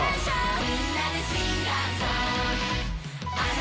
あ！